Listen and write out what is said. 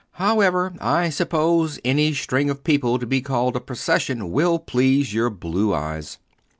However, I suppose any string of people to be called a procession will please your blue eyes.